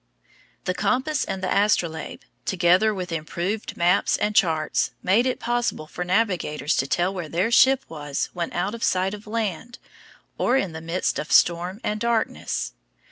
The compass and the astrolabe, together with improved maps and charts, made it possible for navigators to tell where their ship was when out of sight of land or in the midst of storm and darkness.